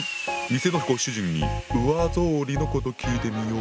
店のご主人に上草履のこと聞いてみよう。